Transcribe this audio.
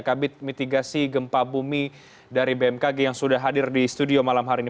kabit mitigasi gempa bumi dari bmkg yang sudah hadir di studio malam hari ini